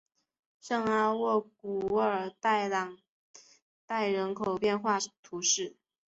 圣阿沃古尔代朗代人口变化图示